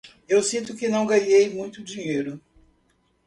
Eu sinto que não ganhei muito dinheiro.